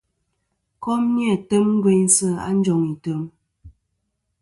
Kom ni-a tem gveynsɨ̀ a njoŋ item.